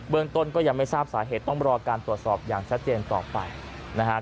เมืองต้นก็ยังไม่ทราบสาเหตุต้องรอการตรวจสอบอย่างชัดเจนต่อไปนะครับ